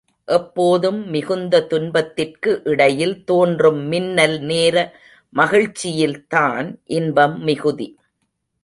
எப்போதும் மிகுந்த துன்பத்திற்கு இடையில் தோன்றும் மின்னல் நேர மகிழ்ச்சியில்தான் இன்பம் மிகுதி.